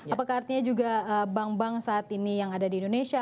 apakah artinya juga bank bank saat ini yang ada di indonesia